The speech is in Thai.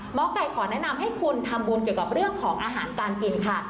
หมอไก่ขอแนะนำให้คุณทำบุญเกี่ยวกับเรื่องของอาหารการกินค่ะ